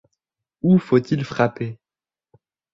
Où faut-il frapper?